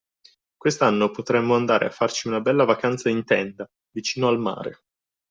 Quest'anno potremmo andare a farci una bella vacanza in tenda, vicino al mare.